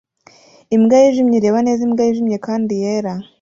Imbwa yijimye ireba neza imbwa yijimye kandi yera